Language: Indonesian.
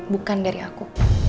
bukan dari aku